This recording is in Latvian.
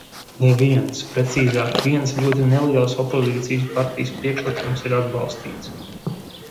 Neviens, precīzāk, viens ļoti neliels opozīcijas partijas priekšlikums ir atbalstīts.